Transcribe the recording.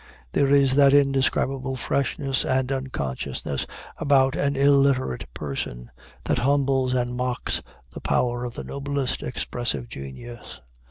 There is that indescribable freshness and unconsciousness about an illiterate person, that humbles and mocks the power of the noblest expressive genius.